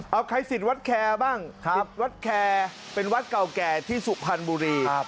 เอาใครสิทธิ์วัดแคร์บ้างสิทธิ์วัดแคร์เป็นวัดเก่าแก่ที่สุพรรณบุรี